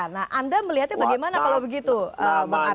nah anda melihatnya bagaimana kalau begitu bang arya